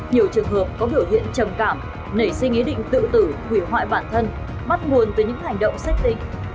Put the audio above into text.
nhiều trường hợp có biểu hiện trầm cảm nảy sinh ý định tự tử hủy hoại bản thân bắt nguồn từ những hành động xác định